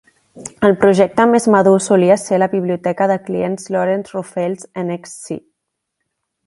El projecte més madur solia ser la biblioteca de clients Lawrence Roufail's "nxc".